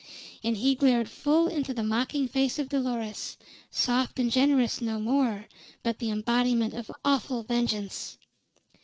And he glared full into the mocking face of Dolores soft and generous no more, but the embodiment of awful vengeance.